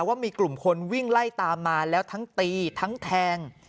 ว่ามีกลุ่มคนวิ่งไล่ตามมาแล้วทั้งตีทั้งแทง